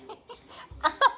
アハハ！